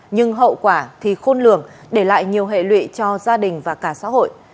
nhưng hậu quả thì khôn lường để lại nhiều hệ lụy cho gia đình và cả xã hội